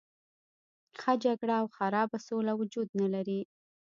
ښه جګړه او خرابه سوله وجود نه لري.